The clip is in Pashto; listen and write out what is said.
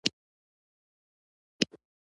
زړه نازړه وم.